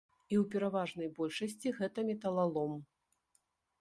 І ў пераважанай большасці гэта металалом.